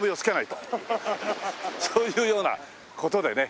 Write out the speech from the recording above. そういうような事でね